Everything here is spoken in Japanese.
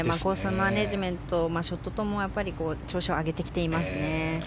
マネジメントショットともに調子を上げてきていますね。